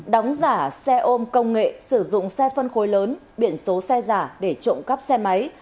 đóng giả xe ôm công nghệ sử dụng xe phân khối lớn biển số xe giả để trộm cắp xe máy